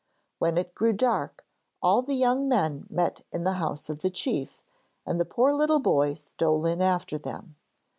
When it grew dark, all the young men met in the house of the chief, and the poor little boy stole in after them.